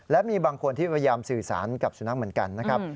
และมีบางคนที่พยายามสื่อสารกับสุนัขเหมือนกันนะครับ